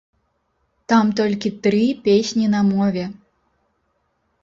Там толькі тры песні на мове.